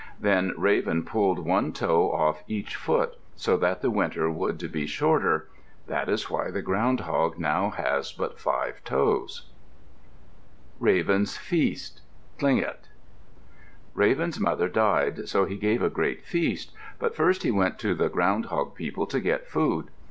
Then Raven pulled one toe off each foot, so that the winter would be shorter. That is why the Ground hog now has but five toes. RAVEN'S FEAST Tlingit Raven's mother died, so he gave a great feast, but first he went to the Ground hog people to get food.